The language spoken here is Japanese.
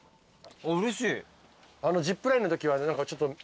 うれしい。